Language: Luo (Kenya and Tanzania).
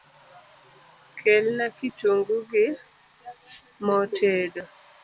Kelna kitungu gi mo tedo